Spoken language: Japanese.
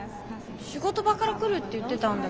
仕事場から来るって言ってたんだけど。